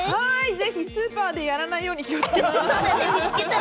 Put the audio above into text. ぜひスーパーでやらないように気をつけます。